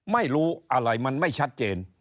ไม่รู้อะไรมันไม่ชัดเจน